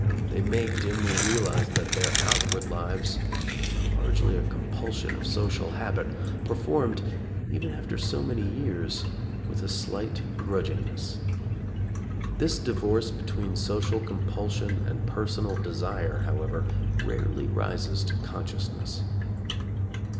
They may dimly realize that their outward lives are largely a compulsion of social habit, performed, even after so many years, with a slight grudgingness. This divorce between social compulsion and personal desire, however, rarely rises to consciousness.